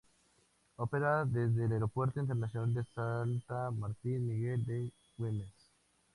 Opera desde el Aeropuerto Internacional de Salta Martín Miguel de Güemes.